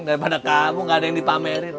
daripada kamu gak ada yang dipamerin